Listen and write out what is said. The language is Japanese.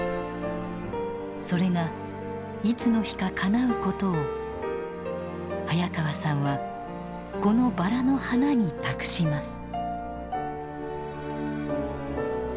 それがいつの日かかなうことを早川さんはこのバラの花に託します。